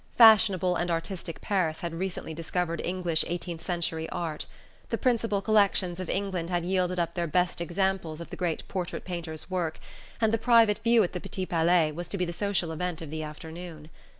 Fashionable and artistic Paris had recently discovered English eighteenth century art. The principal collections of England had yielded up their best examples of the great portrait painter's work, and the private view at the Petit Palais was to be the social event of the afternoon.